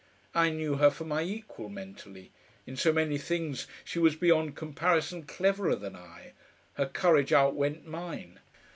I knew her for my equal mentally; in so many things she was beyond comparison cleverer than I; her courage outwent mine.